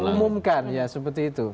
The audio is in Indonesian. mengumumkan ya seperti itu